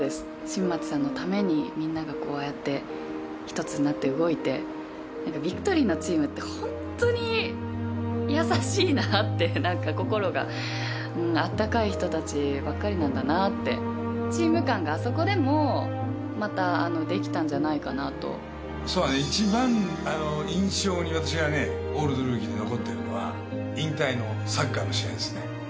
新町さんのためにみんながこうやって一つになって動いてビクトリーのチームってホンットに優しいなって何か心があったかい人達ばっかりなんだなってチーム感があそこでもまたできたんじゃないかなとそうだね一番印象に私がね「オールドルーキー」で残ってるのは引退のサッカーの試合ですね